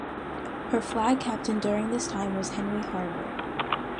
Her flag captain during this time was Henry Harwood.